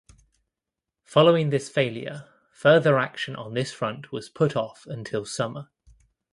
Following this failure further action on this front was put off until summer.